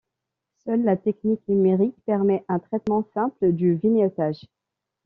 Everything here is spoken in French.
Seule la technique numérique permet un traitement simple du vignettage.